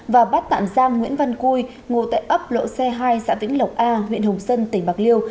và bắt tạm giam nguyễn văn cui ngồi tại ấp lộ xe hai xã vĩnh lộc a huyện hồng sơn tỉnh bạc liêu